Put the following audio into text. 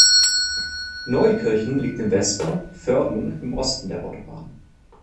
Neuenkirchen liegt im Westen, Vörden im Osten der Autobahn.